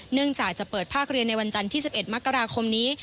เนื่องจากจะเปิดภาคเรียนในวันจันทร์ที่๑๑มกราคมนี้